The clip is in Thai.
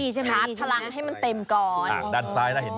คือแบบอีใช่ไหมชาร์จพลังให้มันเต็มก่อน